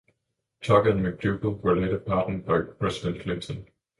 Tucker and McDougal were later pardoned by President Clinton.